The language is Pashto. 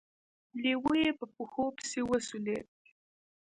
لېوه يې په پښو پسې وسولېد.